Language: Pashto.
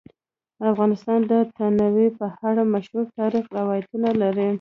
افغانستان د تنوع په اړه مشهور تاریخی روایتونه لري.